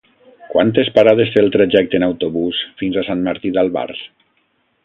Quantes parades té el trajecte en autobús fins a Sant Martí d'Albars?